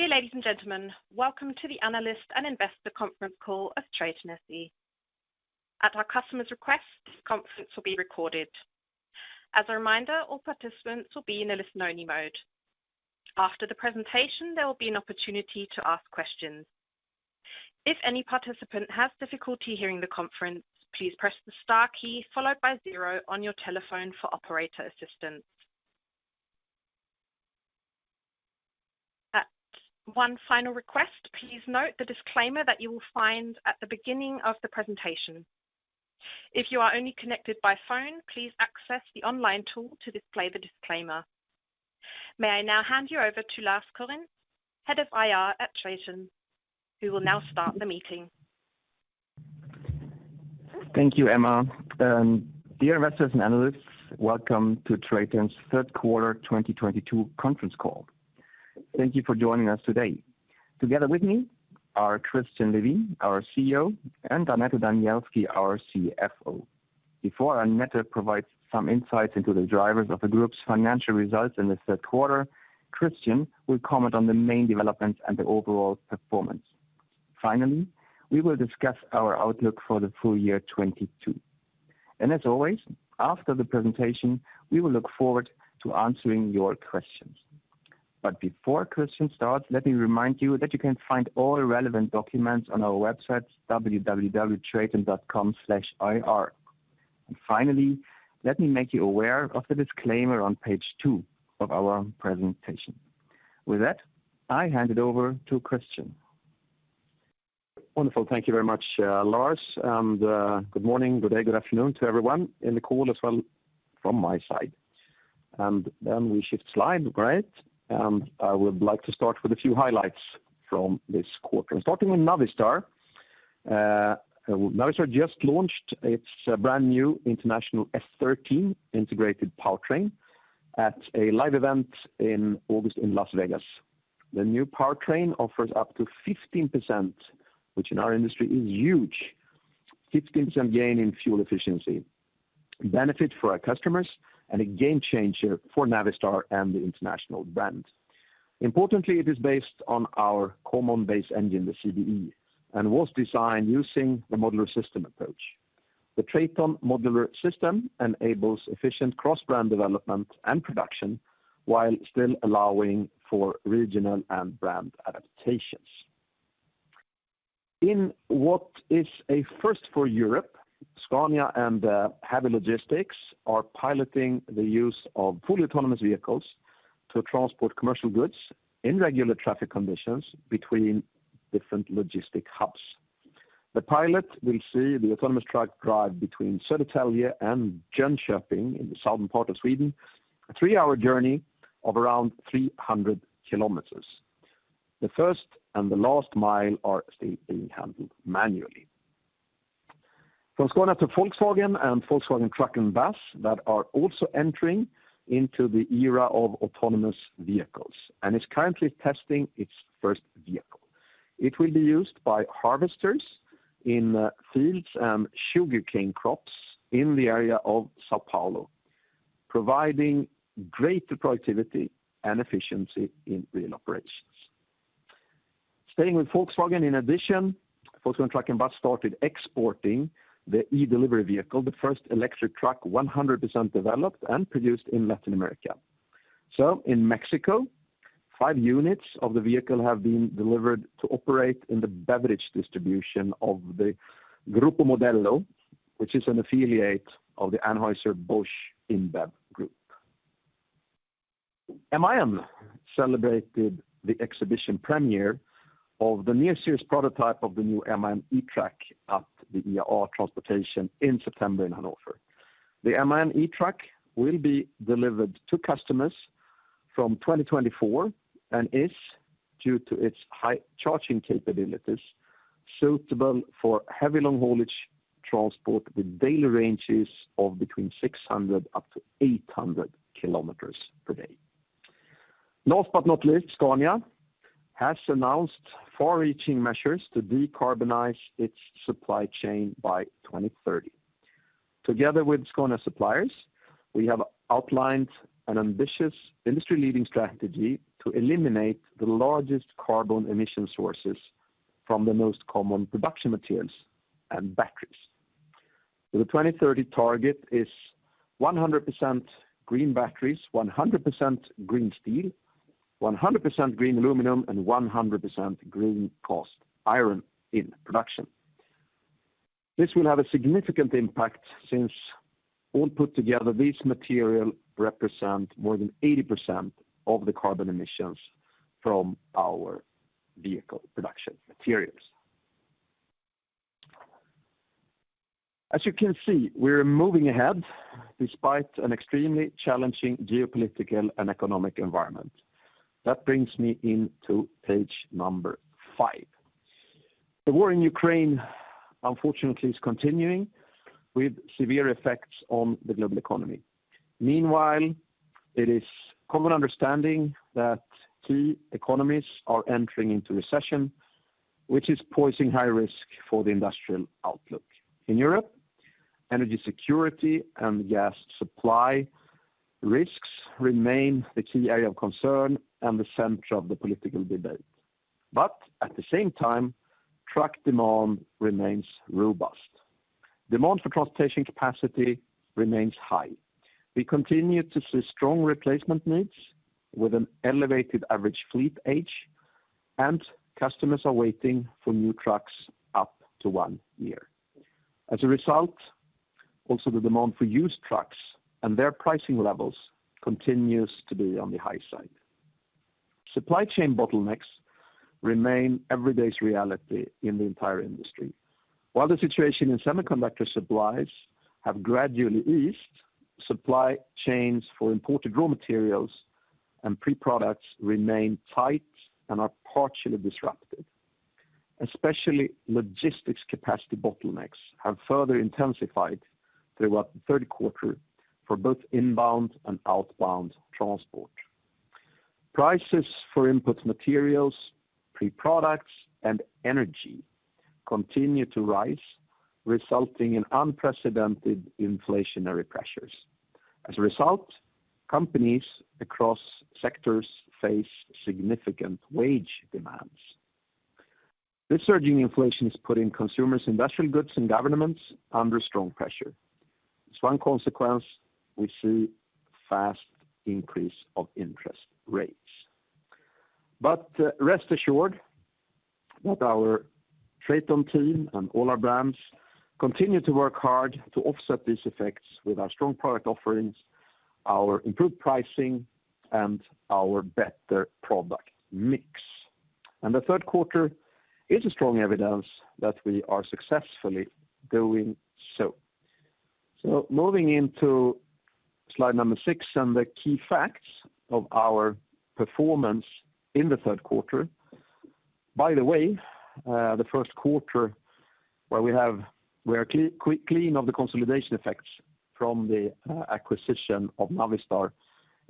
Dear ladies and gentlemen, welcome to the Analyst and Investor Conference Call of TRATON SE. At our customer's request, this conference will be recorded. As a reminder, all participants will be in a listen-only mode. After the presentation, there will be an opportunity to ask questions. If any participant has difficulty hearing the conference, please press the star key followed by zero on your telephone for operator assistance. One final request, please note the disclaimer that you will find at the beginning of the presentation. If you are only connected by phone, please access the online tool to display the disclaimer. May I now hand you over to Lars Korinth, Head of IR at TRATON, who will now start the meeting. Thank you, Emma. Dear investors and analysts, welcome to TRATON's third quarter 2022 conference call. Thank you for joining us today. Together with me are Christian Levin, our CEO, and Annette Danielski, our CFO. Before Annette provides some insights into the drivers of the group's financial results in the third quarter, Christian will comment on the main developments and the overall performance. Finally, we will discuss our outlook for the full year 2022. As always, after the presentation, we will look forward to answering your questions. Before Christian starts, let me remind you that you can find all relevant documents on our website, www.traton.com/ir. Finally, let me make you aware of the disclaimer on page two of our presentation. With that, I hand it over to Christian. Wonderful. Thank you very much, Lars. Good morning, good day, good afternoon to everyone in the call as well from my side. We shift slide, right. I would like to start with a few highlights from this quarter. Starting with Navistar. Navistar just launched its brand-new International S13 Integrated Powertrain at a live event in August in Las Vegas. The new powertrain offers up to 15%, which in our industry is huge. 15% gain in fuel efficiency, benefit for our customers, and a game-changer for Navistar and the International brand. Importantly, it is based on our Common Base Engine, the CBE, and was designed using the modular system approach. The TRATON Modular System enables efficient cross-brand development and production while still allowing for regional and brand adaptations. In what is a first for Europe, Scania and HAVI Logistics are piloting the use of fully autonomous vehicles to transport commercial goods in regular traffic conditions between different logistic hubs. The pilot will see the autonomous truck drive between Södertälje and Jönköping in the southern part of Sweden, a three-hour journey of around 300 km. The first and the last mile are still being handled manually. From Scania to Volkswagen and Volkswagen Truck & Bus that are also entering into the era of autonomous vehicles, and it's currently testing its first vehicle. It will be used by harvesters in fields and sugarcane crops in the area of São Paulo, providing greater productivity and efficiency in real operations. Staying with Volkswagen, in addition, Volkswagen Truck & Bus started exporting the e-Delivery vehicle, the first electric truck 100% developed and produced in Latin America. In Mexico, 5 units of the vehicle have been delivered to operate in the beverage distribution of the Grupo Modelo, which is an affiliate of the Anheuser-Busch InBev group. MAN celebrated the exhibition premiere of the near-series prototype of the new MAN e-Truck at the IAA Transportation in September in Hanover. The MAN e-Truck will be delivered to customers from 2024 and is, due to its high charging capabilities, suitable for heavy, long-haulage transport with daily ranges of between 600 km up to 800 km per day. Last but not least, Scania has announced far-reaching measures to decarbonize its supply chain by 2030. Together with Scania suppliers, we have outlined an ambitious industry-leading strategy to eliminate the largest carbon emission sources from the most common production materials and batteries. The 2030 target is 100% green batteries, 100% green steel, 100% green aluminum, and 100% green cast iron in production. This will have a significant impact since all put together, these materials represent more than 80% of the carbon emissions from our vehicle production materials. As you can see, we're moving ahead despite an extremely challenging geopolitical and economic environment. That brings me into page number five. The war in Ukraine, unfortunately, is continuing with severe effects on the global economy. Meanwhile, it is common understanding that key economies are entering into recession, which is posing high risk for the industrial outlook. In Europe, energy security and gas supply risks remain the key area of concern and the center of the political debate. At the same time, truck demand remains robust. Demand for transportation capacity remains high. We continue to see strong replacement needs with an elevated average fleet age, and customers are waiting for new trucks up to one year. As a result, also the demand for used trucks and their pricing levels continues to be on the high side. Supply chain bottlenecks remain everyday reality in the entire industry. While the situation in semiconductor supplies has gradually eased, supply chains for imported raw materials and pre-products remain tight and are partially disrupted. Especially logistics capacity bottlenecks have further intensified throughout the third quarter for both inbound and outbound transport. Prices for input materials, pre-products, and energy continue to rise, resulting in unprecedented inflationary pressures. As a result, companies across sectors face significant wage demands. This surging inflation is putting consumers, industrial goods, and governments under strong pressure. As one consequence, we see fast increase of interest rates. Rest assured that our TRATON team and all our brands continue to work hard to offset these effects with our strong product offerings, our improved pricing, and our better product mix. The third quarter is a strong evidence that we are successfully doing so. Moving into slide number six and the key facts of our performance in the third quarter. By the way, the first quarter where we are clean of the consolidation effects from the acquisition of Navistar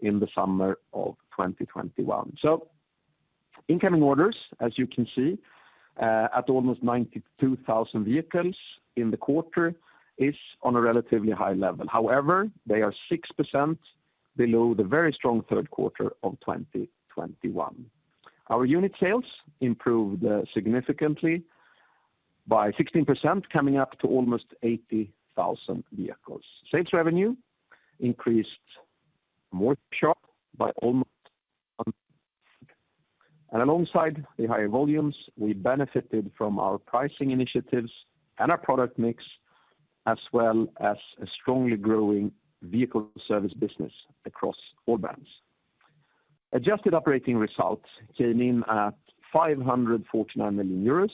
in the summer of 2021. Incoming orders, as you can see, at almost 92,000 vehicles in the quarter, is on a relatively high level. However, they are 6% below the very strong third quarter of 2021. Our unit sales improved significantly by 16%, coming up to almost 80,000 vehicles. Sales revenue increased more sharply by almost. Alongside the higher volumes, we benefited from our pricing initiatives and our product mix, as well as a strongly growing vehicle service business across all brands. Adjusted operating results came in at 549 million euros,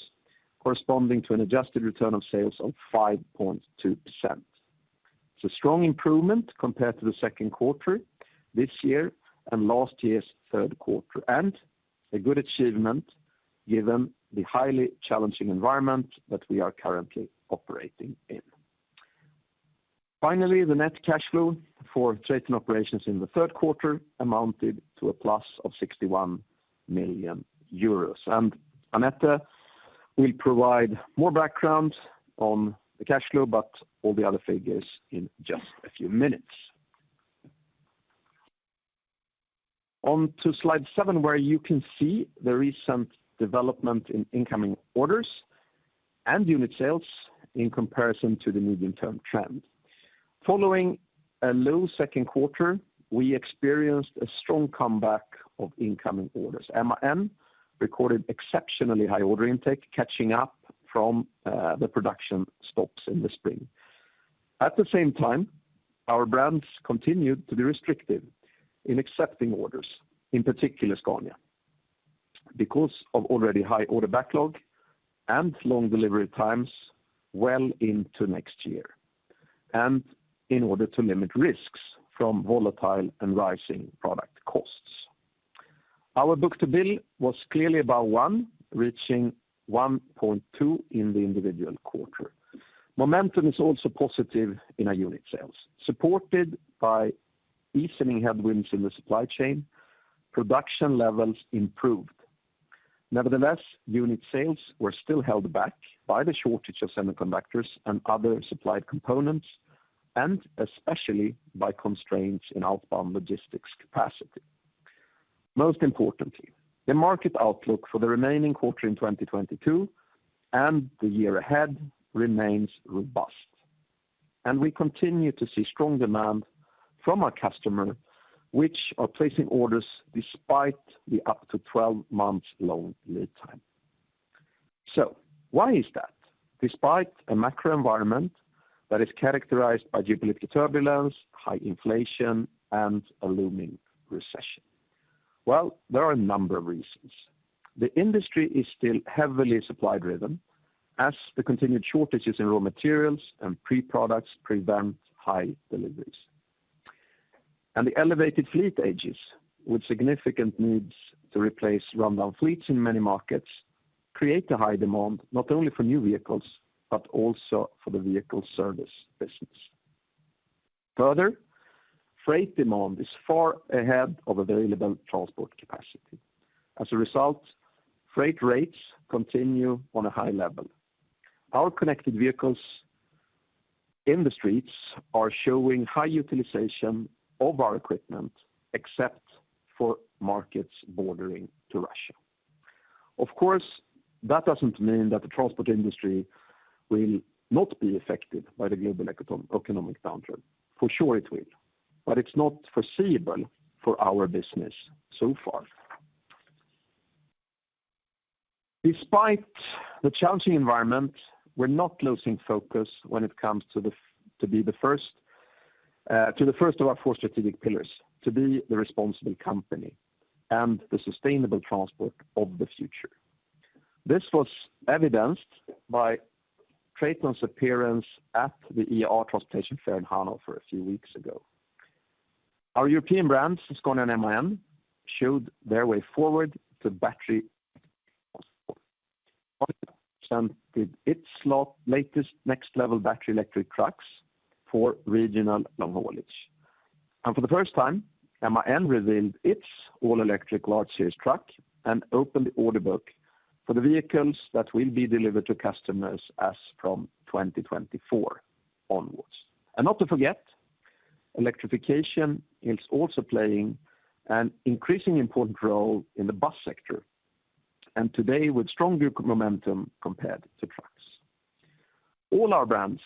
corresponding to an adjusted return on sales of 5.2%. It's a strong improvement compared to the second quarter this year and last year's third quarter, and a good achievement given the highly challenging environment that we are currently operating in. Finally, the net cash flow for TRATON operations in the third quarter amounted to + 61 million euros. Annette will provide more background on the cash flow, but all the other figures in just a few minutes. On to slide seven, where you can see there is some development in incoming orders and unit sales in comparison to the medium-term trend. Following a low second quarter, we experienced a strong comeback of incoming orders. MAN recorded exceptionally high order intake, catching up from the production stops in the spring. At the same time, our brands continued to be restrictive in accepting orders, in particular Scania, because of already high order backlog and long delivery times well into next year, and in order to limit risks from volatile and rising product costs. Our book-to-bill was clearly above 1, reaching 1.2 in the individual quarter. Momentum is also positive in our unit sales. Supported by easing headwinds in the supply chain, production levels improved. Nevertheless, unit sales were still held back by the shortage of semiconductors and other supplied components, and especially by constraints in outbound logistics capacity. Most importantly, the market outlook for the remaining quarter in 2022 and the year ahead remains robust. We continue to see strong demand from our customer, which are placing orders despite the up to 12 months long lead time. Why is that? Despite a macro environment that is characterized by geopolitical turbulence, high inflation, and a looming recession. Well, there are a number of reasons. The industry is still heavily supply-driven as the continued shortages in raw materials and pre-products prevent high deliveries. The elevated fleet ages, with significant needs to replace rundown fleets in many markets, create a high demand not only for new vehicles, but also for the vehicle service business. Further, freight demand is far ahead of available transport capacity. As a result, freight rates continue on a high level. Our connected vehicles in the streets are showing high utilization of our equipment, except for markets bordering Russia. Of course, that doesn't mean that the transport industry will not be affected by the global economic downturn. For sure it will, but it's not foreseeable for our business so far. Despite the challenging environment, we're not losing focus when it comes to the first of our four strategic pillars, to be the responsible company and the sustainable transport of the future. This was evidenced by TRATON's appearance at the IAA Transportation Fair in Hanover a few weeks ago. Our European brands, Scania and MAN, showed their way forward and presented their latest next-level battery-electric trucks for regional long-haul. For the first time, MAN revealed its all-electric large series truck and opened the order book for the vehicles that will be delivered to customers as from 2024 onwards. Not to forget, electrification is also playing an increasing important role in the bus sector, and today with stronger momentum compared to trucks. All our brands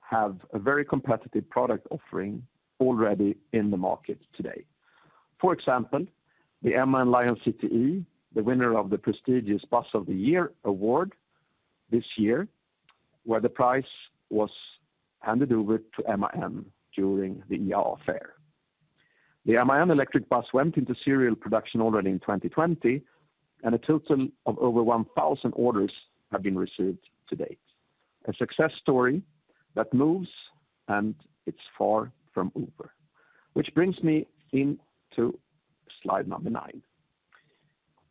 have a very competitive product offering already in the market today. For example, the MAN Lion's City E, the winner of the prestigious Bus of the Year award this year, where the prize was handed over to MAN during the IAA fair. The MAN electric bus went into serial production already in 2020, and a total of over 1,000 orders have been received to date. A success story that moves, and it's far from over. Which brings me into slide number nine.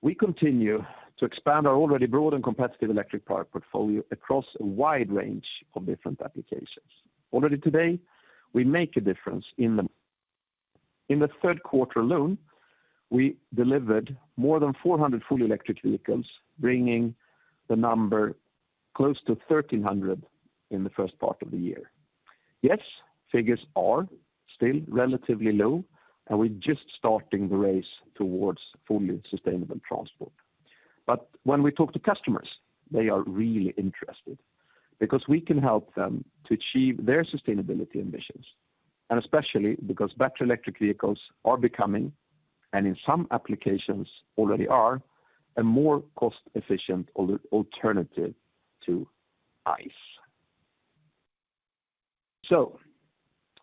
We continue to expand our already broad and competitive electric product portfolio across a wide range of different applications. Already today, we make a difference in the. In the third quarter alone, we delivered more than 400 fully electric vehicles, bringing the number close to 1,300 in the first part of the year. Yes, figures are still relatively low, and we're just starting the race towards fully sustainable transport. When we talk to customers, they are really interested because we can help them to achieve their sustainability ambitions, and especially because battery electric vehicles are becoming, and in some applications already are, a more cost-efficient alternative to ICE.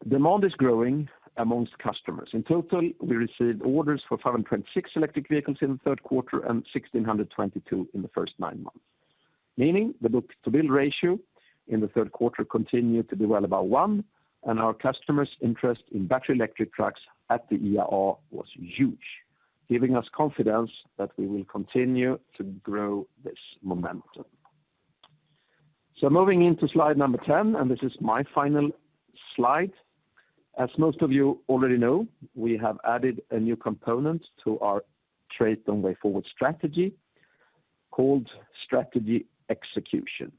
Demand is growing among customers. In total, we received orders for 526 electric vehicles in the third quarter and 1,622 in the first nine months. Meaning the book-to-bill ratio in the third quarter continued to be well above one, and our customers' interest in battery electric trucks at the IAA was huge, giving us confidence that we will continue to grow this momentum. Moving into slide number 10, and this is my final slide. As most of you already know, we have added a new component to our TRATON Way Forward strategy called strategy execution.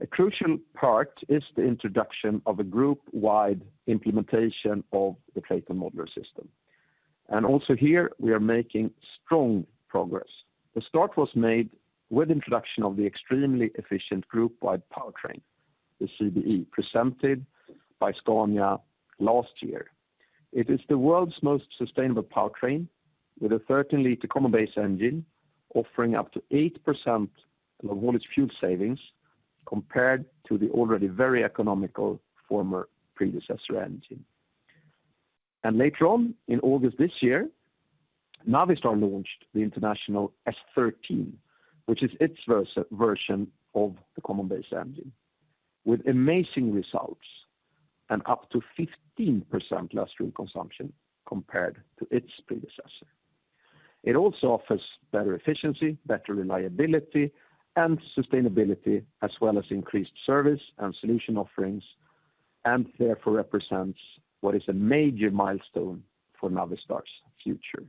A crucial part is the introduction of a group-wide implementation of the TRATON Modular System. Also here, we are making strong progress. The start was made with introduction of the extremely efficient group-wide powertrain, the CBE, presented by Scania last year. It is the world's most sustainable powertrain with a 13 ltr common base engine offering up to 8% long haulage fuel savings compared to the already very economical former predecessor engine. Later on, in August this year, Navistar launched the International S13, which is its version of the Common Base Engine, with amazing results and up to 15% less fuel consumption compared to its predecessor. It also offers better efficiency, better reliability and sustainability, as well as increased service and solution offerings, and therefore represents what is a major milestone for Navistar's future,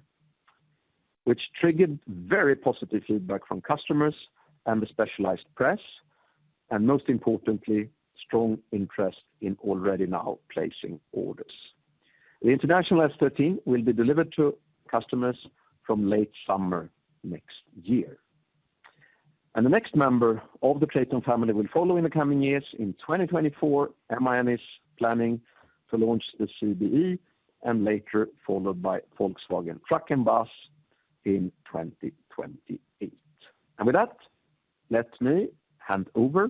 which triggered very positive feedback from customers and the specialized press, and most importantly, strong interest in already now placing orders. The International S13 will be delivered to customers from late summer next year. The next member of the TRATON family will follow in the coming years. In 2024, MAN is planning to launch the CBE, and later followed by Volkswagen Truck and Bus in 2028. With that, let me hand over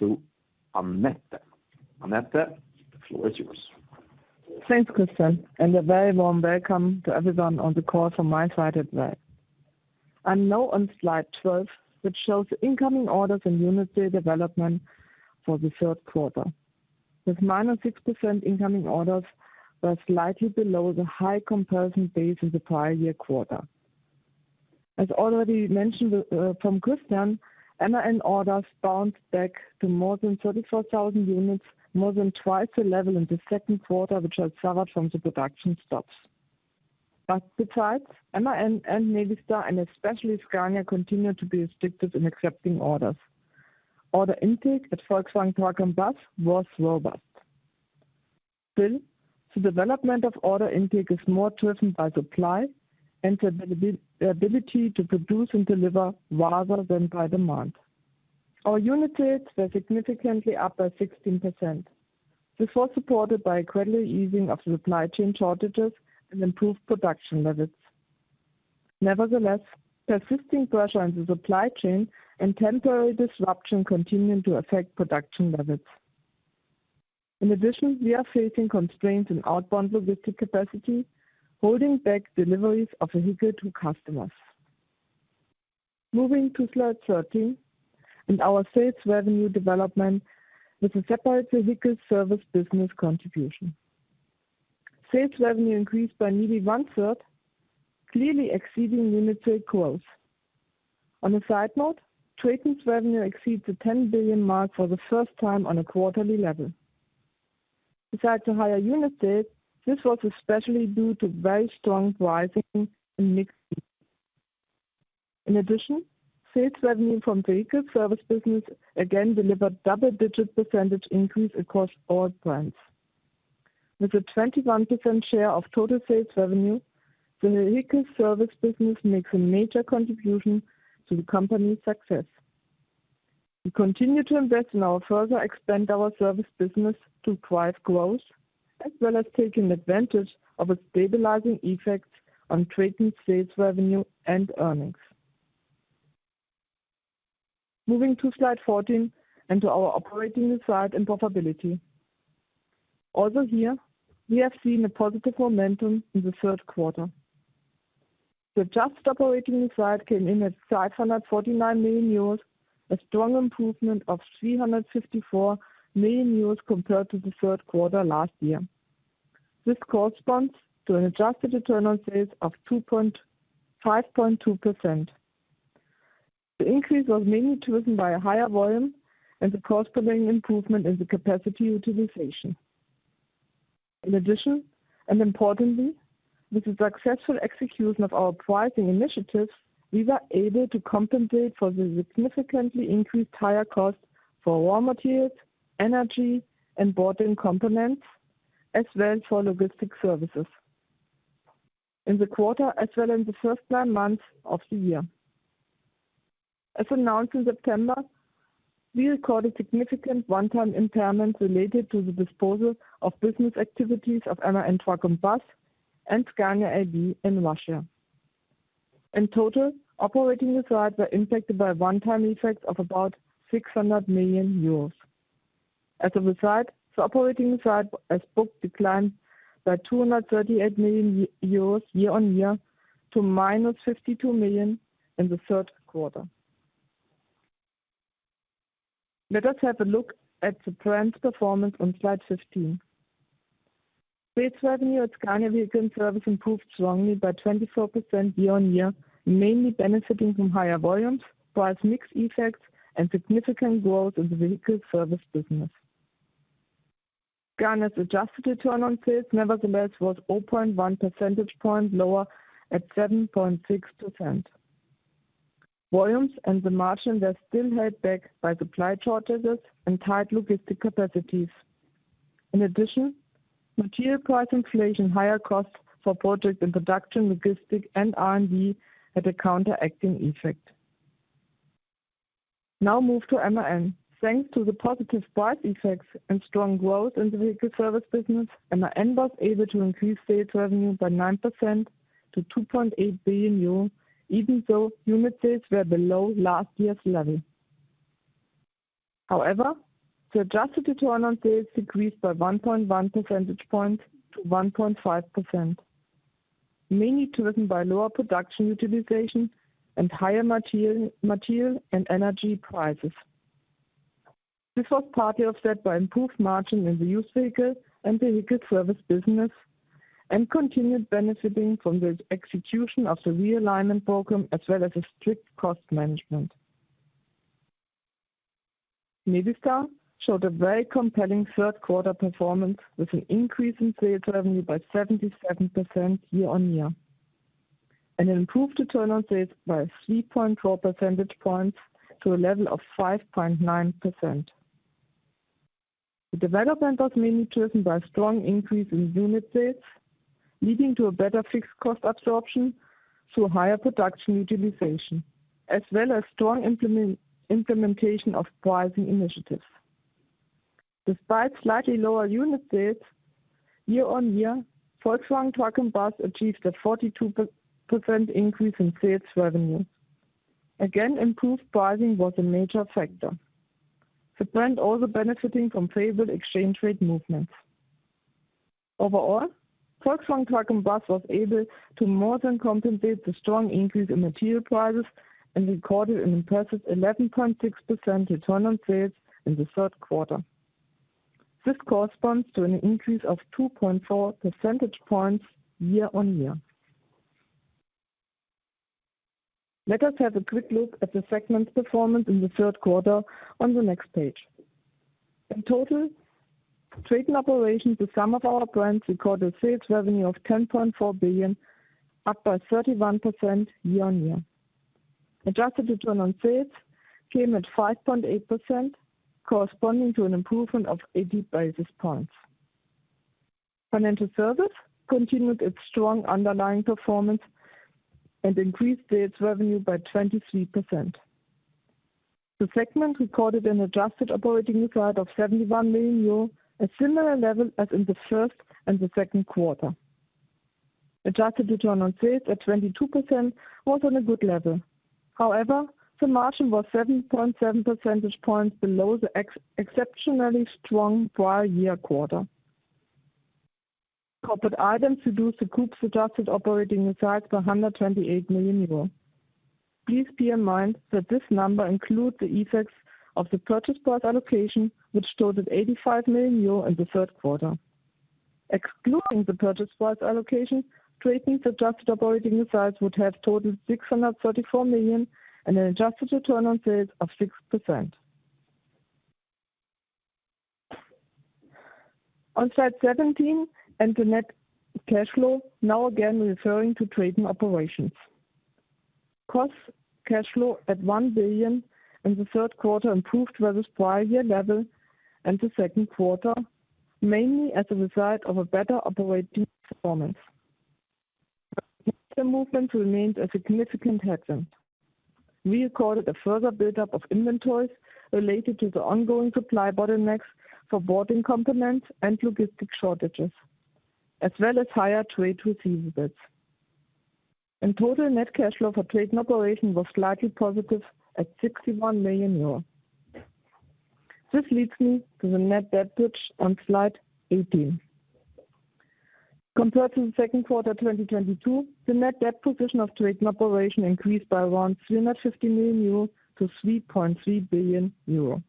to Annette. Annette, the floor is yours. Thanks, Christian, and a very warm welcome to everyone on the call from my side as well. I'm now on slide 12, which shows incoming orders and unit sales development for the third quarter. With -6% incoming orders were slightly below the high comparison base in the prior year quarter. As already mentioned from Christian, MAN orders bounced back to more than 34,000 units, more than twice the level in the second quarter, which had suffered from the production stops. Besides, MAN and Navistar, and especially Scania, continued to be restrictive in accepting orders. Order intake at Volkswagen Truck & Bus was robust. Still, the development of order intake is more driven by supply and the ability to produce and deliver rather than by demand. Our unit sales were significantly up by 16%. This was supported by a gradual easing of supply chain shortages and improved production levels. Nevertheless, persisting pressure on the supply chain and temporary disruption continuing to affect production levels. In addition, we are facing constraints in outbound logistics capacity, holding back deliveries to customers. Moving to slide 13 and our sales revenue development with a separate vehicle service business contribution. Sales revenue increased by nearly one-third, clearly exceeding unit sales growth. On a side note, TRATON's revenue exceeds the 10 billion mark for the first time on a quarterly level. Besides the higher unit sales, this was especially due to very strong pricing and mix. In addition, sales revenue from vehicle service business again delivered double-digit percentage increase across all brands. With a 21% share of total sales revenue, the vehicle service business makes a major contribution to the company's success. We continue to invest and now further expand our service business to drive growth, as well as taking advantage of a stabilizing effect on TRATON sales revenue and earnings. Moving to slide 14 and to our operating profit and profitability. Also here, we have seen a positive momentum in the third quarter. The adjusted operating profit came in at 549 million euros, a strong improvement of 354 million euros compared to the third quarter last year. This corresponds to an adjusted return on sales of 5.2%. The increase was mainly driven by a higher volume and the cost-per-unit improvement in the capacity utilization. In addition, and importantly, with the successful execution of our pricing initiatives, we were able to compensate for the significantly increased higher costs for raw materials, energy, and bought-in components, as well as for logistic services, in the quarter as well in the first nine months of the year. As announced in September, we recorded significant one-time impairments related to the disposal of business activities of MAN Truck & Bus and Scania AB in Russia. In total, operating result were impacted by one-time effects of about 600 million euros. As a result, the operating result as booked declined by 238 million euros year-on-year to minus 52 million in the third quarter. Let us have a look at the brand's performance on slide 15. Sales revenue at Scania Vehicle Service improved strongly by 24% year-on-year, mainly benefiting from higher volumes, price mix effects, and significant growth in the vehicle service business. Scania's adjusted return on sales, nevertheless, was 0.1 percentage point lower at 7.6%. Volumes and the margin were still held back by supply shortages and tight logistics capacities. In addition, material price inflation, higher costs for project introduction, logistics, and R&D had a counteracting effect. Now move to MAN. Thanks to the positive price effects and strong growth in the vehicle service business, MAN was able to increase sales revenue by 9% to 2.8 billion euro, even though unit sales were below last year's level. However, the adjusted return on sales decreased by 1.1 percentage points to 1.5%, mainly driven by lower production utilization and higher material and energy prices. This was partly offset by improved margin in the used vehicle and vehicle service business, and continued benefiting from the execution of the realignment program, as well as a strict cost management. Navistar showed a very compelling third quarter performance with an increase in sales revenue by 77% year-on-year, and improved return on sales by 3.4 percentage points to a level of 5.9%. The development was mainly driven by a strong increase in unit sales, leading to a better fixed cost absorption through higher production utilization, as well as strong implementation of pricing initiatives. Despite slightly lower unit sales year-on-year, Volkswagen Truck & Bus achieved a 42% increase in sales revenue. Improved pricing was a major factor. The brand also benefiting from favorable exchange rate movements. Overall, Volkswagen Truck & Bus was able to more than compensate the strong increase in material prices and recorded an impressive 11.6% return on sales in the third quarter. This corresponds to an increase of 2.4 percentage points year-on-year. Let us have a quick look at the segment performance in the third quarter on the next page. In total, TRATON operations with some of our brands recorded sales revenue of 10.4 billion, up by 31% year-on-year. Adjusted return on sales came at 5.8% corresponding to an improvement of 80 basis points. Financial Services continued its strong underlying performance and increased sales revenue by 23%. The segment recorded an adjusted operating result of 71 million euro, a similar level as in the first and the second quarter. Adjusted return on sales at 22% was on a good level. However, the margin was 7.7 percentage points below the exceptionally strong prior year quarter. Corporate items reduced the group's adjusted operating results by 128 million euros. Please bear in mind that this number includes the effects of the purchase price allocation, which totaled 85 million euro in the third quarter. Excluding the purchase price allocation, TRATON's adjusted operating results would have totaled 634 million and an adjusted return on sales of 6%. On slide 17 and the net cash flow, now again referring to TRATON operations. Operating cash flow at 1 billion in the third quarter improved versus prior year level and the second quarter, mainly as a result of a better operating performance. The movement remained a significant headroom. We recorded a further buildup of inventories related to the ongoing supply bottlenecks for boarding components and logistics shortages, as well as higher trade receivables. In total, net cash flow for TRATON operation was slightly positive at 61 million euros. This leads me to the net debt bridge on slide 18. Compared to the second quarter of 2022, the net debt position of TRATON operation increased by around 350 million euros to 3.3 billion euros.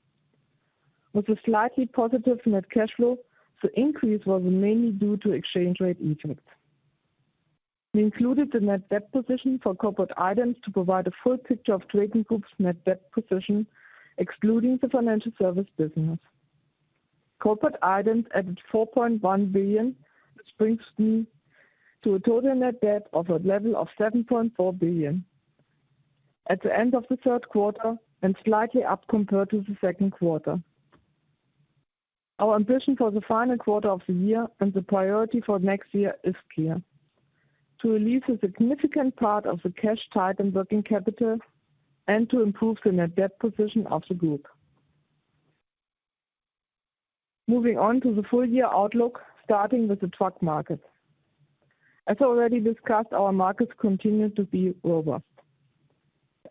With a slightly positive net cash flow, the increase was mainly due to exchange rate effects. We included the net debt position for corporate items to provide a full picture of TRATON Group's net debt position, excluding the financial services business. Corporate items added 4.1 billion, which brings me to a total net debt of a level of 7.4 billion at the end of the third quarter and slightly up compared to the second quarter. Our ambition for the final quarter of the year and the priority for next year is clear, to release a significant part of the cash tied in working capital and to improve the net debt position of the group. Moving on to the full year outlook, starting with the truck market. As already discussed, our markets continue to be robust.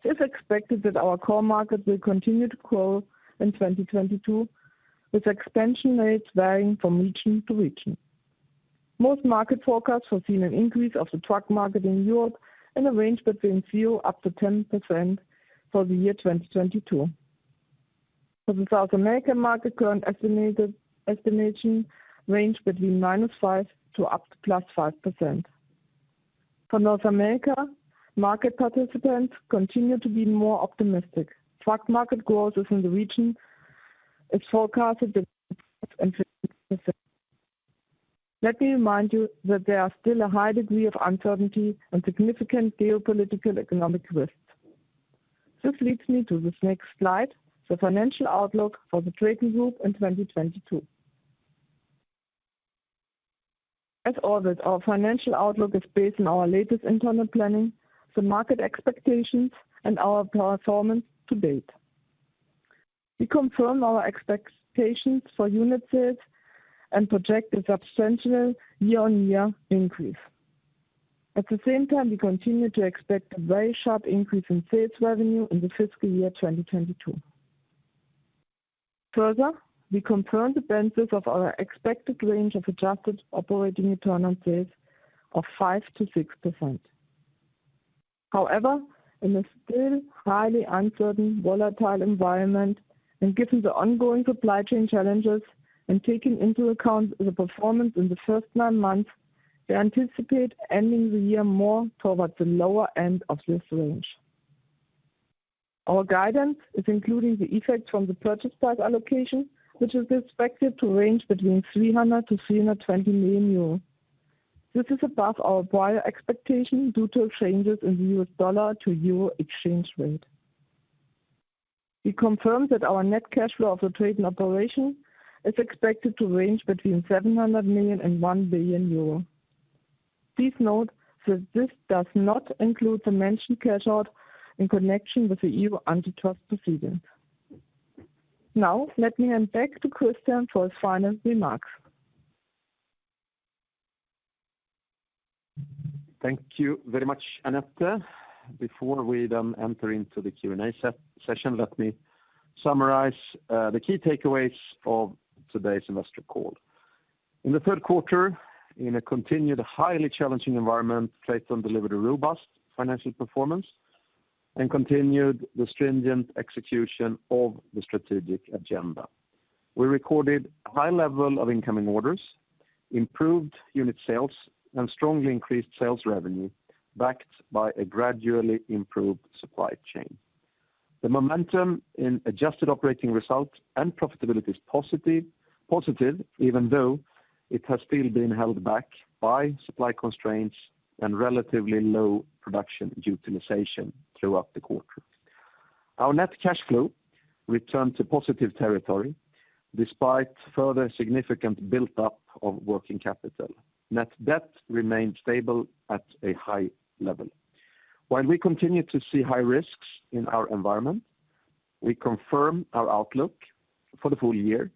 It is expected that our core market will continue to grow in 2022, with expansion rates varying from region to region. Most market forecasts have seen an increase of the truck market in Europe in the range between 0 % up to 10% for the year 2022. For the South American market, current estimation range between -5 % to up to +5%. For North America, market participants continue to be more optimistic. Truck market growth within the region is forecasted between 5% and 15%. Let me remind you that there are still a high degree of uncertainty and significant geopolitical economic risks. This leads me to this next slide, the financial outlook for the TRATON Group in 2022. As ordered, our financial outlook is based on our latest internal planning, the market expectations and our performance to date. We confirm our expectations for unit sales and project a substantial year-on-year increase. At the same time, we continue to expect a very sharp increase in sales revenue in the fiscal year 2022. Further, we confirm the benefits of our expected range of adjusted operating return on sales of 5% -6%. However, in a still highly uncertain, volatile environment and given the ongoing supply chain challenges and taking into account the performance in the first nine months, we anticipate ending the year more towards the lower end of this range. Our guidance is including the effects from the purchase price allocation, which is expected to range between 300 million-320 million euros. This is above our prior expectation due to changes in the U.S dollar to euro exchange rate. We confirm that our net cash flow of the trading operation is expected to range between 700 million and 1 billion euro. Please note that this does not include the mentioned cash out in connection with the EU antitrust proceedings. Now, let me hand back to Christian for his final remarks. Thank you very much, Annette. Before we enter into the Q&A session, let me summarize the key takeaways of today's investor call. In the third quarter, in a continued highly challenging environment, TRATON delivered a robust financial performance and continued the stringent execution of the strategic agenda. We recorded a high level of incoming orders, improved unit sales, and strongly increased sales revenue, backed by a gradually improved supply chain. The momentum in adjusted operating results and profitability is positive, even though it has still been held back by supply constraints and relatively low production utilization throughout the quarter. Our net cash flow returned to positive territory despite further significant build-up of working capital. Net debt remained stable at a high level. While we continue to see high risks in our environment, we confirm our outlook for the full year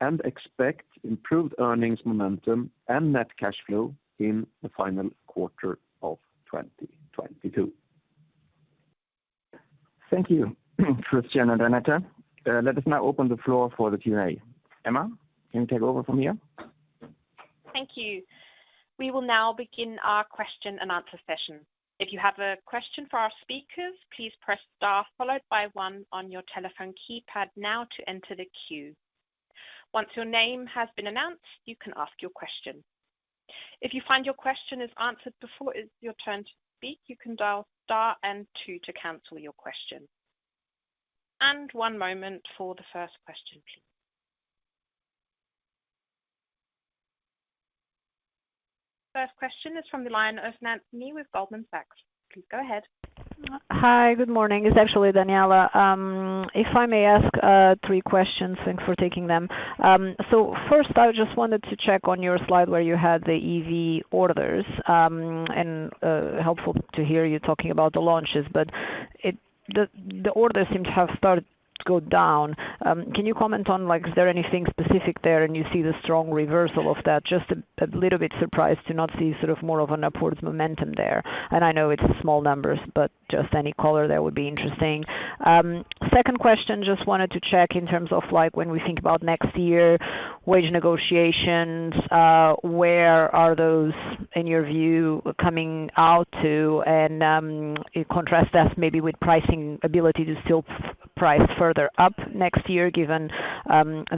and expect improved earnings momentum and net cash flow in the final quarter of 2022. Thank you, Christian and Annette. Let us now open the floor for the Q&A. Emma, can you take over from here? Thank you. We will now begin our question-and-answer session. If you have a question for our speakers, please press star followed by one on your telephone keypad now to enter the queue. Once your name has been announced, you can ask your question. If you find your question is answered before it's your turn to speak, you can dial star and two to cancel your question. One moment for the first question, please. First question is from the line of Daniela Costa with Goldman Sachs. Please go ahead. Hi, good morning. It's actually Daniela. If I may ask three questions. Thanks for taking them. So first, I just wanted to check on your slide where you had the EV orders, and helpful to hear you talking about the launches, but the order seems to have started to go down. Can you comment on, like, is there anything specific there and you see the strong reversal of that? Just a little bit surprised to not see sort of more of an upwards momentum there. I know it's small numbers, but just any color there would be interesting. Second question, just wanted to check in terms of, like, when we think about next year wage negotiations, where are those, in your view, coming out to? Contrast that maybe with pricing ability to still price further up next year given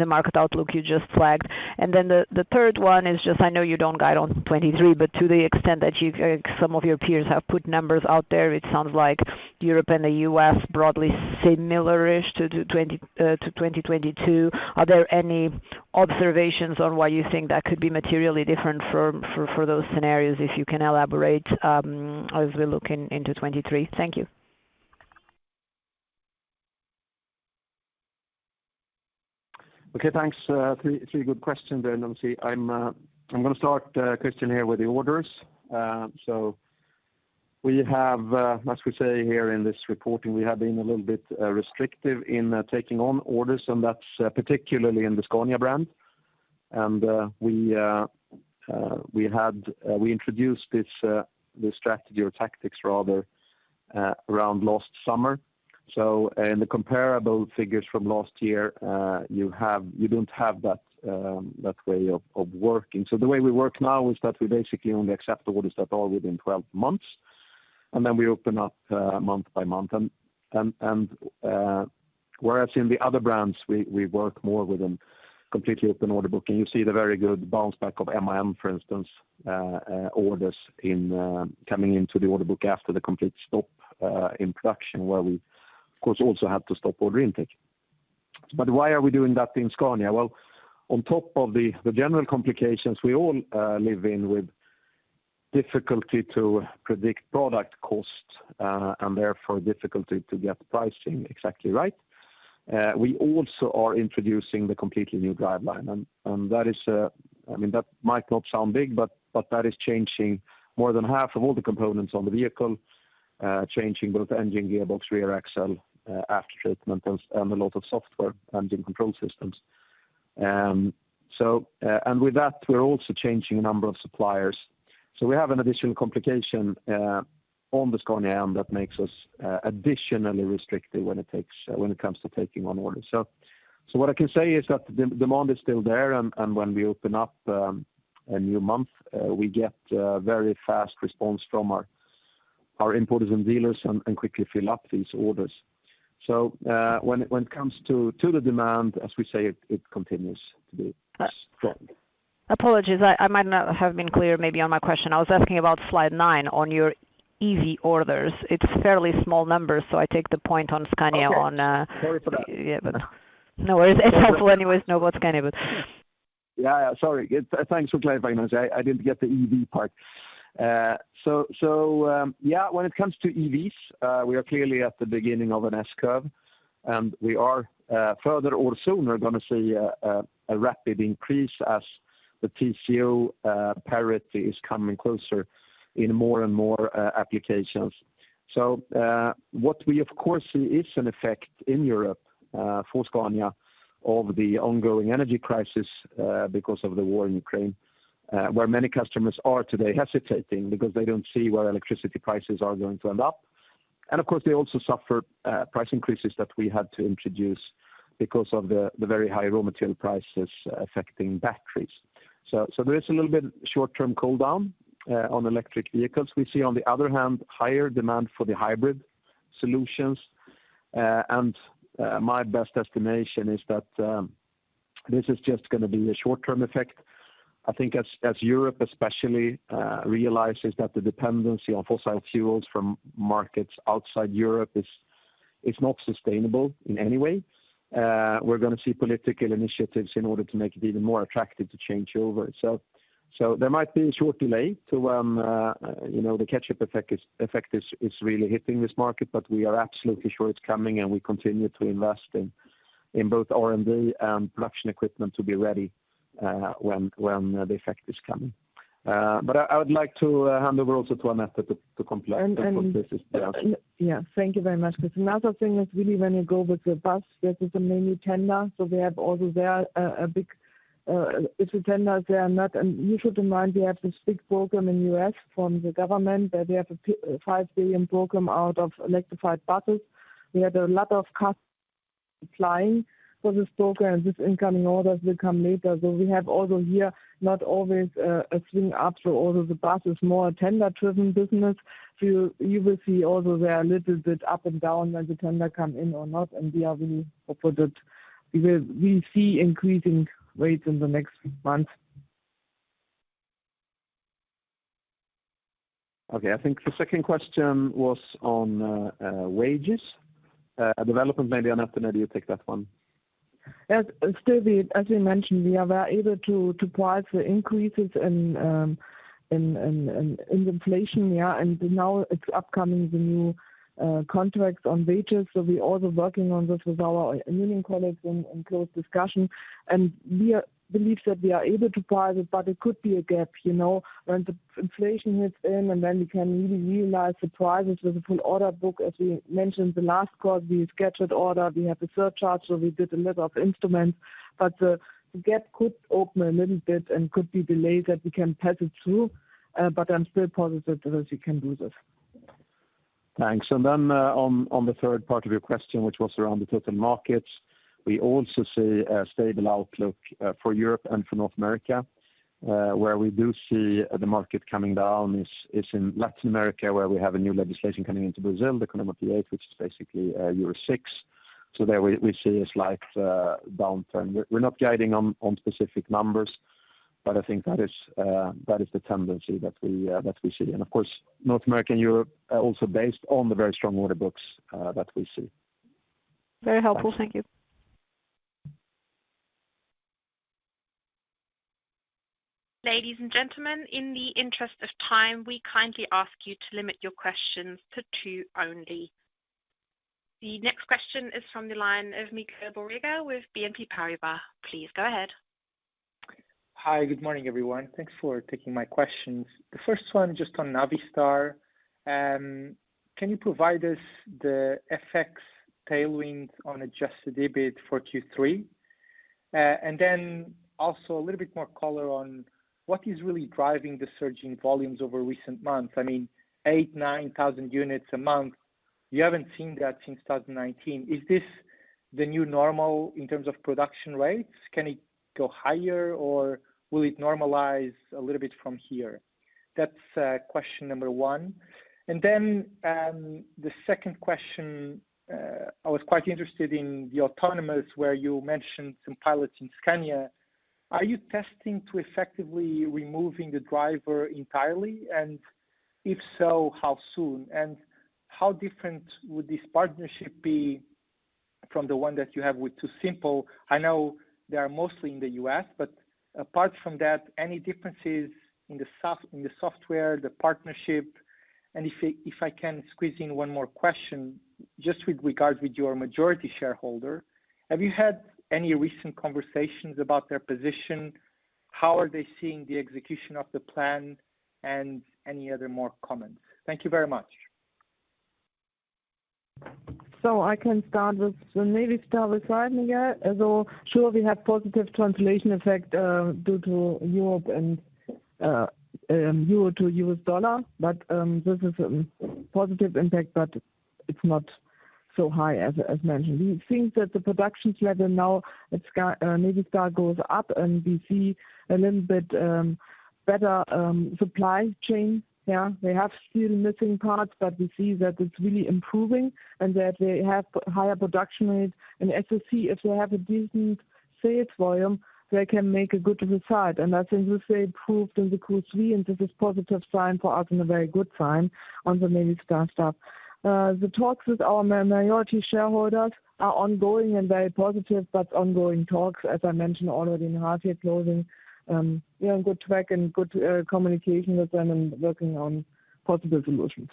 the market outlook you just flagged. The third one is I know you don't guide on 2023, but to the extent that you, like some of your peers have put numbers out there, it sounds like Europe and the U.S broadly similar-ish to 2022. Are there any observations on why you think that could be materially different for those scenarios? If you can elaborate, as we look into 2023. Thank you. Okay. Thanks. Three good questions. Let me see. I'm gonna start, Christian here with the orders. We have, as we say here in this reporting, we have been a little bit restrictive in taking on orders, and that's particularly in the Scania brand. We introduced this strategy or tactics rather around last summer. In the comparable figures from last year, you don't have that way of working. The way we work now is that we basically only accept orders that are within 12 months, and then we open up month by month. Whereas in the other brands, we work more with a completely open order book. You see the very good bounce back of MIM, for instance, orders in coming into the order book after the complete stop in production, where we of course also had to stop order intake. Why are we doing that in Scania? On top of the general complications we all live in with difficulty to predict product cost and therefore difficulty to get the pricing exactly right, we also are introducing the completely new driveline. That is, I mean, that might not sound big, but that is changing more than half of all the components on the vehicle, changing both engine, gearbox, rear axle, aftertreatment, and a lot of software and in control systems. With that, we're also changing a number of suppliers. We have an additional complication on the Scania arm that makes us additionally restrictive when it comes to taking on orders. What I can say is that demand is still there, and when we open up a new month, we get a very fast response from our importers and dealers and quickly fill up these orders. When it comes to the demand, as we say, it continues to be strong. Apologies, I might not have been clear maybe on my question. I was asking about slide nine on your EV orders. It's fairly small numbers, so I take the point on Scania. Okay. On, uh- Sorry for that. Yeah, no worries. It's helpful anyways to know about Scania. Yeah, sorry. Thanks for clarifying that. I didn't get the EV part. Yeah, when it comes to EVs, we are clearly at the beginning of an S-curve, and we are further or sooner gonna see a rapid increase as the TCO parity is coming closer in more and more applications. What we of course see is an effect in Europe for Scania of the ongoing energy crisis because of the war in Ukraine, where many customers are today hesitating because they don't see where electricity prices are going to end up. Of course, they also suffer price increases that we had to introduce because of the very high raw material prices affecting batteries. There is a little bit short-term cool down on electric vehicles. We see, on the other hand, higher demand for the hybrid solutions. My best estimation is that this is just gonna be a short-term effect. I think as Europe especially realizes that the dependency on fossil fuels from markets outside Europe is not sustainable in any way, we're gonna see political initiatives in order to make it even more attractive to change over. There might be a short delay to the catch-up effect is really hitting this market, but we are absolutely sure it's coming, and we continue to invest in both R&D and production equipment to be ready when the effect is coming. I would like to hand over also to Annette to complete. And, and- I hope this is the answer. Yeah. Thank you very much. Because another thing is really when you go with the bus, this is mainly tender. You should remember, we have this big program in the U.S. from the government, that they have a 5 billion program for electrified buses. We had a lot of costs applying for this program. These incoming orders will come later. We have also here not always a swing after all of the buses, more tender-driven business. You will see also there a little bit up and down as the tender come in or not. We are really hopeful that we see increasing rates in the next month. Okay. I think the second question was on wages development. Maybe, Annette, you take that one. Yes. As we mentioned, we are very able to price the increases in the inflation. Yeah. Now it's upcoming the new contracts on wages. We're also working on this with our union colleagues in close discussion. We believe that we are able to price it, but it could be a gap, you know, when the inflation hits in and then we can really realize the prices with the full order book. As we mentioned the last quarter, we scheduled order, we have the surcharge, so we did a lot of instruments. The gap could open a little bit and could be delayed, that we can pass it through, but I'm still positive that we can do this. Thanks. Then, on the third part of your question, which was around the total markets, we also see a stable outlook, for Europe and for North America. Where we do see the market coming down is in Latin America, where we have a new legislation coming into Brazil, the PROCONVE P-8, which is basically Euro 6. There we see a slight downturn. We're not guiding on specific numbers, but I think that is the tendency that we see. Of course, North America and Europe are also based on the very strong order books that we see. Very helpful. Thank you. Ladies and gentlemen, in the interest of time, we kindly ask you to limit your questions to two only. The next question is from the line of Miguel Borrega with BNP Paribas. Please go ahead. Hi. Good morning, everyone. Thanks for taking my questions. The first one just on Navistar. Can you provide us the FX tailwind on adjusted EBIT for Q3? And then also a little bit more color on what is really driving the surge in volumes over recent months. I mean, 8,000-9,000 units a month, we haven't seen that since 2019. Is this the new normal in terms of production rates? Can it go higher, or will it normalize a little bit from here? That's question number one. The second question, I was quite interested in the autonomous, where you mentioned some pilots in Scania. Are you testing to effectively removing the driver entirely? And if so, how soon? And how different would this partnership be from the one that you have with TuSimple? I know they are mostly in the U.S, but apart from that, any differences in the software, the partnership? If I can squeeze in one more question, just with regards with your majority shareholder, have you had any recent conversations about their position? How are they seeing the execution of the plan, and any other more comments? Thank you very much. I can start with the Navistar side, Miguel. As all, sure, we have positive translation effect due to Europe and euro to U.S dollar. This is positive impact, but it's not so high as mentioned. We think that the production level now at Navistar goes up, and we see a little bit better supply chain. They have still missing parts, but we see that it's really improving and that they have higher production rate. As you see, if they have a decent sales volume, they can make a good result. I think this they proved in the Q3, and this is positive sign for us and a very good sign on the Navistar stuff. The talks with our majority shareholders are ongoing and very positive, but ongoing talks, as I mentioned already in the half year closing. We're on good track and good communication with them and working on possible solutions.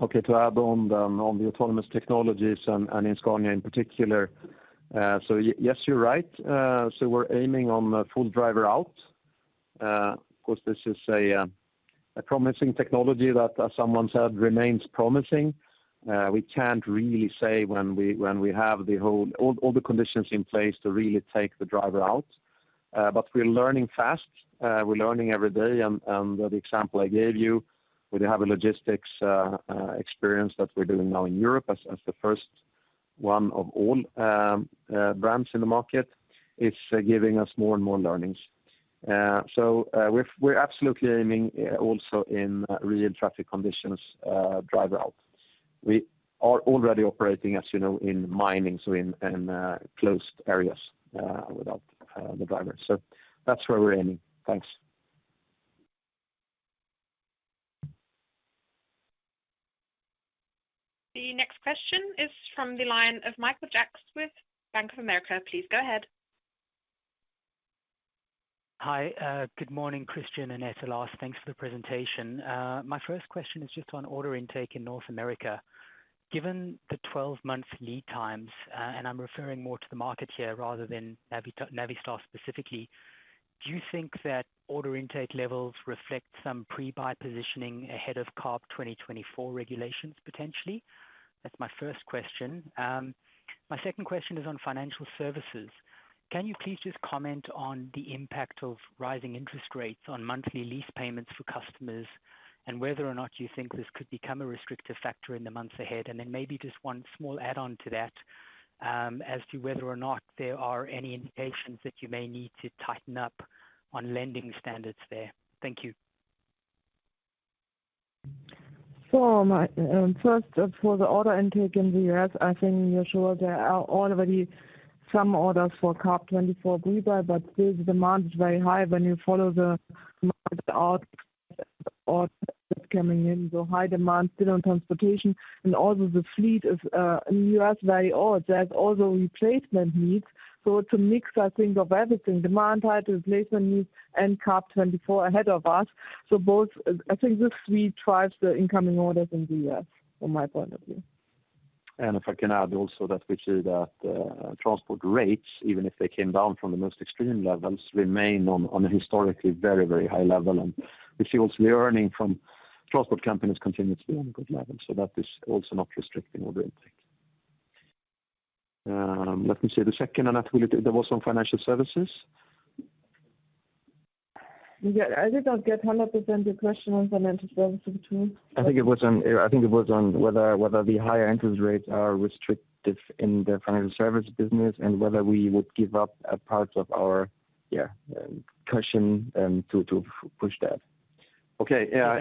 Okay. To add on the autonomous technologies and in Scania in particular. Yes, you're right. We're aiming on full driver out. Of course, this is a promising technology that, as someone said, remains promising. We can't really say when we have all the conditions in place to really take the driver out. We're learning fast. We're learning every day. The example I gave you, where they have a logistics experience that we're doing now in Europe as the first one of all brands in the market, it's giving us more and more learnings. We're absoutely aiming also in real traffic conditions, driver out. We are already operating, as you know, in mining, so in closed areas without the driver. That's where we're aiming. Thanks. The next question is from the line of Michael Jackstein with Bank of America. Please go ahead. Hi. Good morning, Christian and Annette, Lars. Thanks for the presentation. My first question is just on order intake in North America. Given the 12-month lead times, and I'm referring more to the market here rather than Navistar specifically, do you think that order intake levels reflect some pre-buy positioning ahead of CARB 2024 regulations, potentially? That's my first question. My second question is on financial services. Can you please just comment on the impact of rising interest rates on monthly lease payments for customers and whether or not you think this could become a restrictive factor in the months ahead? Then maybe just one small add-on to that, as to whether or not there are any indications that you may need to tighten up on lending standards there. Thank you. For the order intake in the U.S, I think you've seen there are already some orders for CARB 2024 pre-buy, but this demand is very high when you follow the market outlook and coming in. High demand still on transportation and also the fleet is in the U.S, very old. There's also replacement needs. It's a mix, I think, of everything, demand, high replacement needs and CARB 2024 ahead of us. Both, I think the fleet drives the incoming orders in the U.S, from my point of view. If I can add also that we see that transport rates, even if they came down from the most extreme levels, remain on a historically very, very high level. We see also the earnings from transport companies continue to be on a good level. That is also not restricting order intake. Let me see. The second, Annette, there was on financial services. Yeah. I did not get 100% the question on financial services, too. I think it was on whether the higher interest rates are restrictive in the financial service business and whether we would give up a part of our, yeah, cushion, to push that. Okay. Yeah.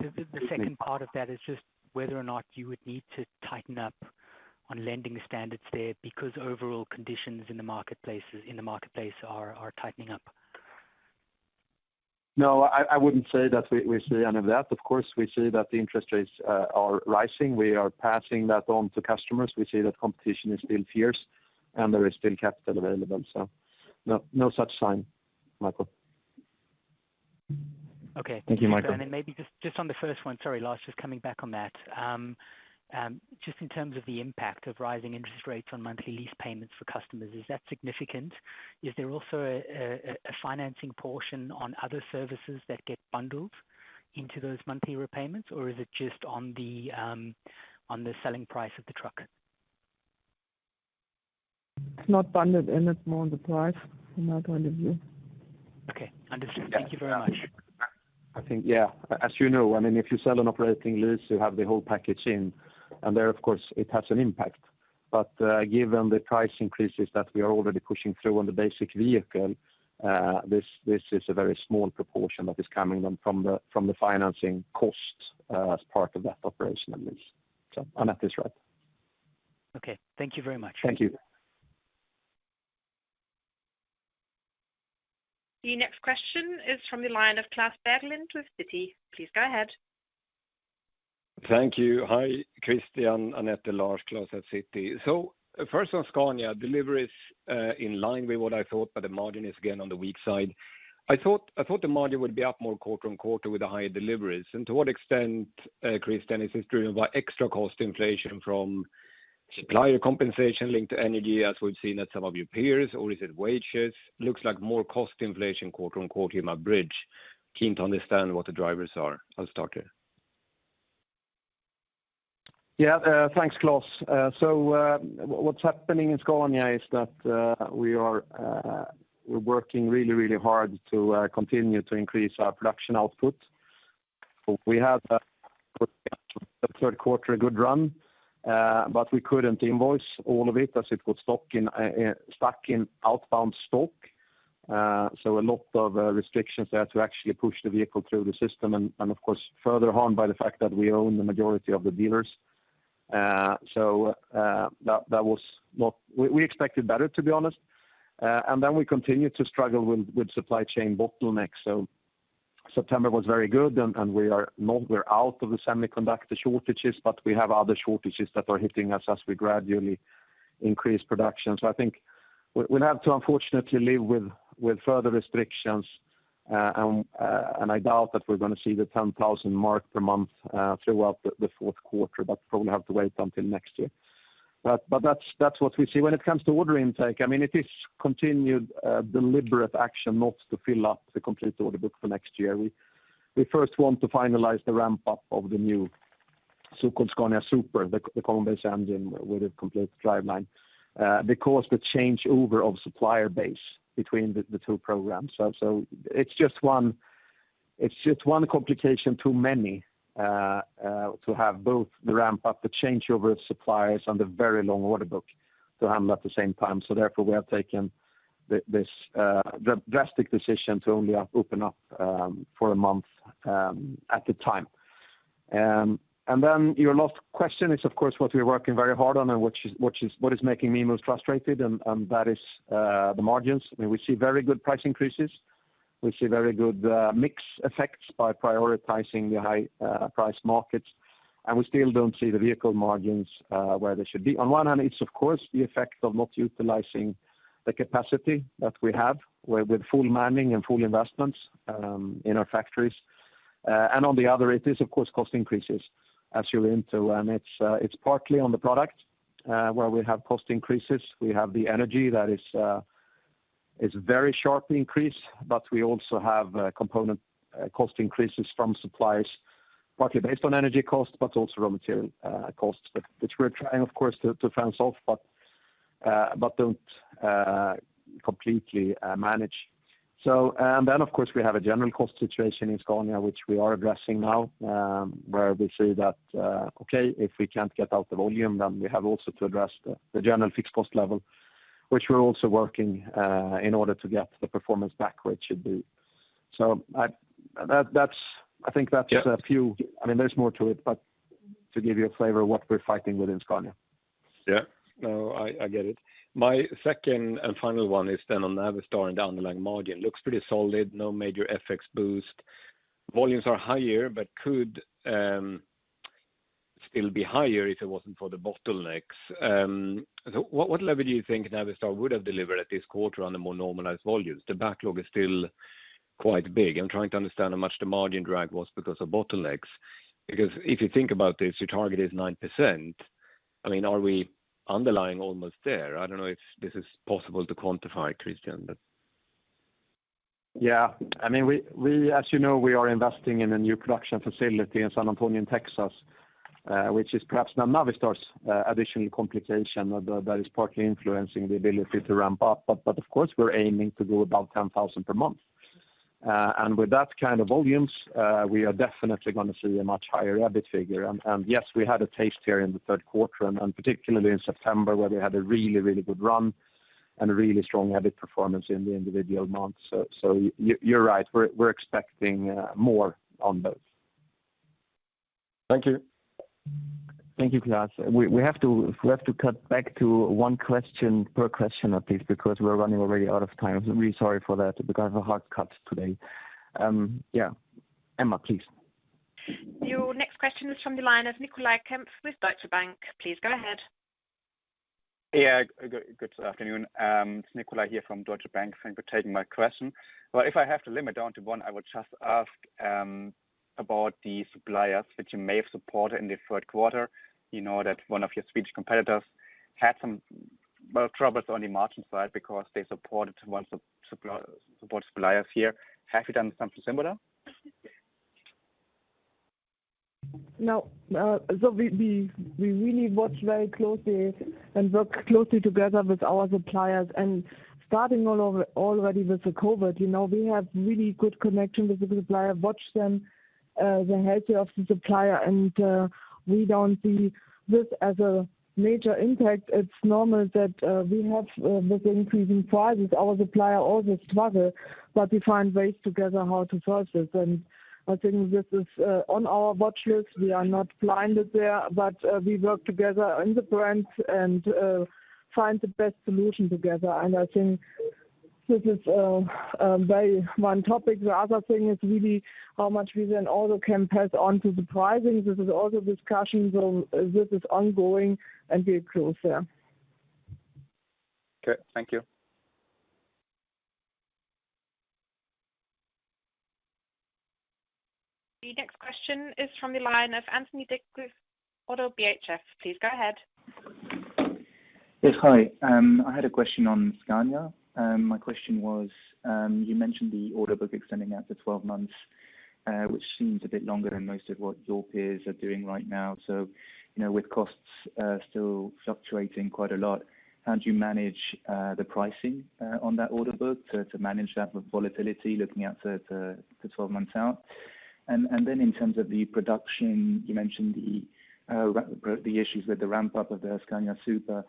The second part of that is just whether or not you would need to tighten up on lending standards there because overall conditions in the marketplace are tightening up. No, I wouldn't say that we see any of that. Of course, we see that the interest rates are rising. We are passing that on to customers. We see that competition is still fierce, and there is still capital available. No such sign, Michael. Okay. Thank you, Michael. Maybe just on the first one. Sorry, Lars, just coming back on that. Just in terms of the impact of rising interest rates on monthly lease payments for customers, is that significant? Is there also a financing portion on other services that get bundled into those monthly repayments, or is it just on the selling price of the truck? It's not bundled in. It's more on the price from my point of view. Okay, understood. Thank you very much. I think, yeah. As you know, I mean, if you sell an operating lease, you have the whole package in, and there, of course, it has an impact. But, given the price increases that we are already pushing through on the basic vehicle, this is a very small proportion that is coming on from the financing costs, as part of that operating lease. Annette is right. Okay. Thank you very much. Thank you. The next question is from the line of Klas Bergelind with Citigroup. Please go ahead. Thank you. Hi, Christian Levin, Annette Danielski, Lars Korinth, Klas Bergelind at Citigroup. First on Scania, deliveries in line with what I thought, but the margin is again on the weak side. I thought the margin would be up more quarter-over-quarter with the higher deliveries. To what extent, Christian, is this driven by extra cost inflation from supplier compensation linked to energy, as we've seen at some of your peers? Or is it wages? Looks like more cost inflation, quote, unquote, in my bridge. Keen to understand what the drivers are. I'll start here. Thanks, Klas. What's happening in Scania is that we're working really hard to continue to increase our production output. We have the third quarter, a good run, but we couldn't invoice all of it as it got stuck in outbound stock. A lot of restrictions there to actually push the vehicle through the system and of course further harmed by the fact that we own the majority of the dealers. That was not. We expected better, to be honest. We continue to struggle with supply chain bottlenecks. September was very good and we are not out of the semiconductor shortages, but we have other shortages that are hitting us as we gradually increase production. I think we'll have to unfortunately live with further restrictions. I doubt that we're gonna see the 10,000 mark per month throughout the fourth quarter, but probably have to wait until next year. That's what we see. When it comes to order intake, I mean, it is continued deliberate action not to fill up the complete order book for next year. We first want to finalize the ramp up of the new so-called Scania Super, the common base engine with a complete driveline, because the changeover of supplier base between the two programs. It's just one complication too many to have both the ramp up, the changeover of suppliers and the very long order book to handle at the same time. Therefore, we have taken this drastic decision to only open up for a month at a time. Then your last question is, of course, what we're working very hard on and which is what is making me most frustrated, and that is the margins. I mean, we see very good price increases. We see very good mix effects by prioritizing the high price markets, and we still don't see the vehicle margins where they should be. On one hand, it's of course the effect of not utilizing the capacity that we have with full manning and full investments in our factories. On the other, it is of course cost increases as we're into. It's partly on the product where we have cost increases. We have the energy that is very sharply increased, but we also have component cost increases from suppliers, partly based on energy costs, but also raw material costs, which we're trying of course to fend off, but don't completely manage. Then of course, we have a general cost situation in Scania, which we are addressing now, where we say that okay, if we can't get out the volume, then we have also to address the general fixed cost level, which we're also working in order to get the performance back where it should be. I think that's just a few- Yeah. I mean, there's more to it, but to give you a flavor of what we're fighting with in Scania. Yeah. No, I get it. My second and final one is on Navistar and the underlying margin. Looks pretty solid, no major FX boost. Volumes are higher, but could still be higher if it wasn't for the bottlenecks. What level do you think Navistar would have delivered at this quarter on the more normalized volumes? The backlog is still quite big. I'm trying to understand how much the margin drag was because of bottlenecks. Because if you think about this, your target is 9%. I mean, are we underlying almost there? I don't know if this is possible to quantify, Christian, but. Yeah. I mean, as you know, we are investing in a new production facility in San Antonio, Texas, which is perhaps Navistar's additional complication that is partly influencing the ability to ramp up. Of course, we're aiming to do about 10,000 per month. With that kind of volumes, we are definitely gonna see a much higher EBIT figure. Yes, we had a taste here in the third quarter, and particularly in September, where we had a really good run and a really strong EBIT performance in the individual months. You're right. We're expecting more on those. Thank you. Thank you, Klas. We have to cut back to one question per question at least, because we're running already out of time. I'm really sorry for that. We got a hard cut today. Yeah. Emma, please. Your next question is from the line of Nicolai Kempf with Deutsche Bank. Please go ahead. Yeah. Good afternoon. Nicolai Kempf here from Deutsche Bank. Thank you for taking my question. Well, if I have to limit down to one, I would just ask about the suppliers that you may have supported in the third quarter. You know that one of your Swedish competitors had some, well, troubles on the margin side because they supported one supplier, supported suppliers here. Have you done something similar? No. So we really watch very closely and work closely together with our suppliers. Starting already with the COVID, you know, we have really good connection with the supplier, watch the health of the supplier, and we don't see this as a major impact. It's normal that we have, with increasing prices, our supplier always struggle, but we find ways together how to source it. I think this is on our watch list. We are not blinded there, but we work together in the branch and find the best solution together. I think this is very one topic. The other thing is really how much we then also can pass on to the pricing. This is also discussions on this. This is ongoing and we are close there. Okay. Thank you. The next question is from the line of Anthony Dick with ODDO BHF. Please go ahead. Yes. Hi. I had a question on Scania. My question was, you mentioned the order book extending out to 12 months, which seems a bit longer than most of what your peers are doing right now. You know, with costs still fluctuating quite a lot, how do you manage the pricing on that order book to manage that with volatility looking out to 12 months out? In terms of the production, you mentioned the issues with the ramp-up of the Scania Super.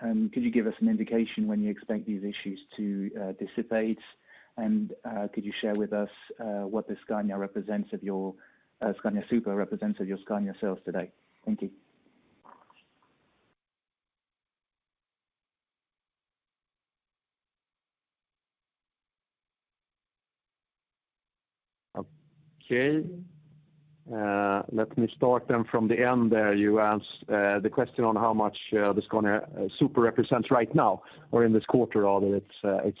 Could you give us an indication when you expect these issues to dissipate? Could you share with us what the Scania Super represents of your Scania sales today? Thank you. Okay. Let me start from the end there. You asked the question on how much the Scania Super represents right now or in this quarter, rather. It's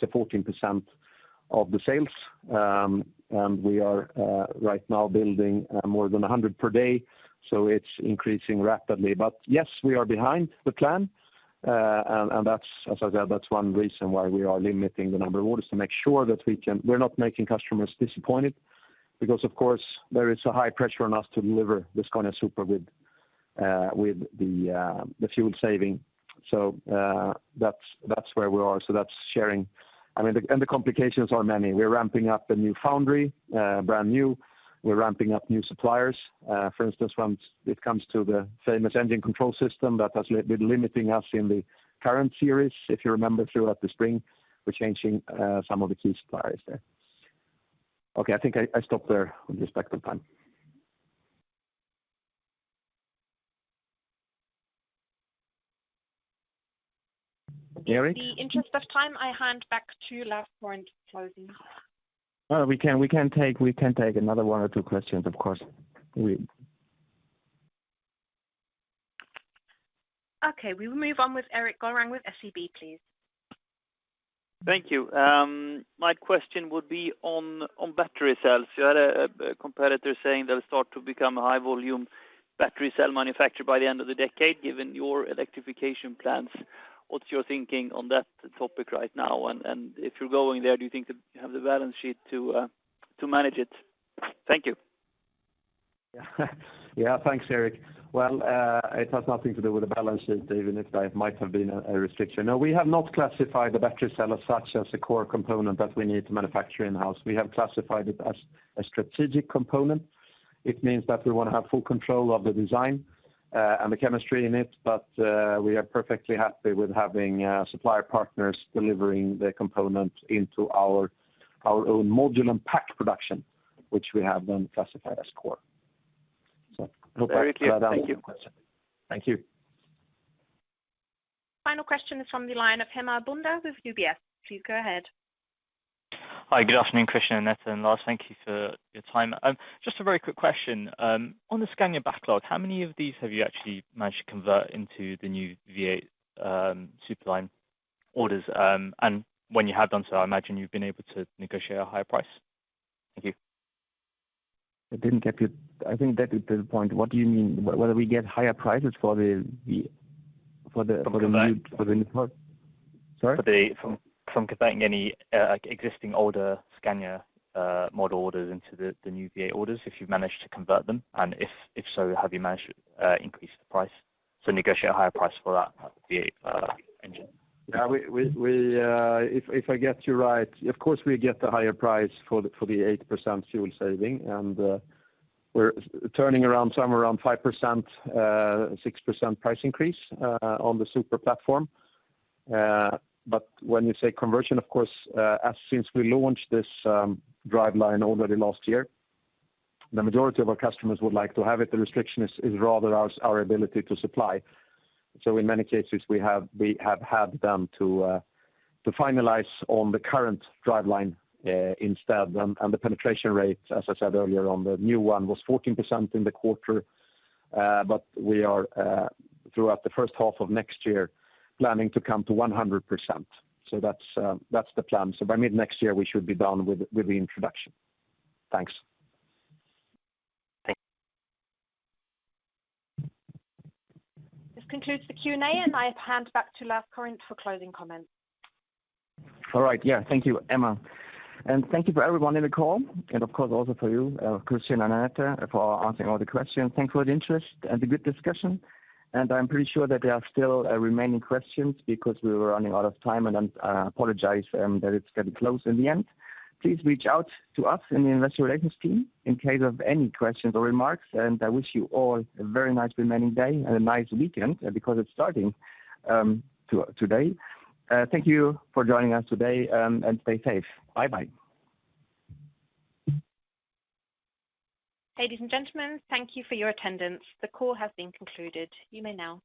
a 14% of the sales. We are right now building more than 100 per day, so it's increasing rapidly. Yes, we are behind the plan. And that's, as I said, that's one reason why we are limiting the number of orders to make sure that we can. We're not making customers disappointed because, of course, there is a high pressure on us to deliver the Scania Super with the fuel saving. That's where we are. That's sharing. I mean, the complications are many. We're ramping up a new foundry, brand new. We're ramping up new suppliers. For instance, when it comes to the famous engine control system that has been limiting us in the current series, if you remember throughout the spring, we're changing some of the key suppliers there. Okay, I think I stop there with respect to time. Erik? In the interest of time, I hand back to Lars for any closing. Oh, we can take another one or two questions, of course. Okay. We will move on with Erik Golrang with SEB, please. Thank you. My question would be on battery cells. You had a competitor saying they'll start to become a high volume battery cell manufacturer by the end of the decade. Given your electrification plans, what's your thinking on that topic right now? If you're going there, do you think that you have the balance sheet to manage it? Thank you. Yeah. Thanks, Erik. Well, it has nothing to do with the balance sheet, even if that might have been a restriction. No, we have not classified the battery cell as a core component that we need to manufacture in-house. We have classified it as a strategic component. It means that we wanna have full control of the design and the chemistry in it, but we are perfectly happy with having supplier partners delivering the component into our own module and pack production, which we have then classified as core. No question. Very clear. Thank you. question. Thank you. Final question is from the line of Hemal Bhundia with UBS. Please go ahead. Hi, good afternoon, Christian, Annette, and Lars. Thank you for your time. Just a very quick question. On the Scania backlog, how many of these have you actually managed to convert into the new V8 Super line orders? When you have done so, I imagine you've been able to negotiate a higher price. Thank you. I think that is the point. What do you mean? Whether we get higher prices for the- For convert. For the new product. Sorry. From converting any, like, existing older Scania model orders into the new V8 orders, if you've managed to convert them. If so, have you managed to increase the price, so negotiate a higher price for that V8 engine? Yeah, if I get you right, of course, we get the higher price for the 8% fuel saving. We're turning around somewhere around 5%-6% price increase on the Scania Super. But when you say conversion, of course, since we launched this drive line already last year, the majority of our customers would like to have it. The restriction is rather our ability to supply. In many cases we have had them to finalize on the current drive line instead. The penetration rate, as I said earlier on the new one, was 14% in the quarter. But we are throughout the first half of next year planning to come to 100%. That's the plan. By mid-next year we should be done with the introduction. Thanks. Thank you. This concludes the Q&A, and I hand back to Lars Korinth for closing comments. All right. Yeah. Thank you, Emma. Thank you for everyone in the call and of course also for you, Christian and Annette, for answering all the questions. Thanks for the interest and the good discussion, and I'm pretty sure that there are still remaining questions because we were running out of time, and I apologize that it's getting close in the end. Please reach out to us in the investor relations team in case of any questions or remarks. I wish you all a very nice remaining day and a nice weekend, because it's starting today. Thank you for joining us today, and stay safe. Bye-bye. Ladies and gentlemen, thank you for your attendance. The call has been concluded. You may now disconnect.